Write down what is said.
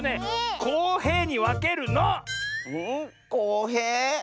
こうへい？